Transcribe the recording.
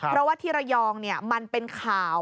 เพราะว่าที่ระยองมันเป็นข่าว